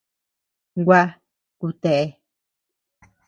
Gua, kutea.